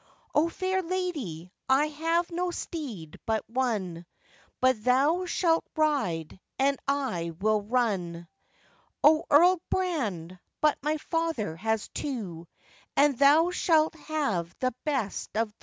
'O, lady fair, I have no steed but one, But thou shalt ride and I will run.' 'O, Earl Brand, but my father has two, And thou shalt have the best of tho'.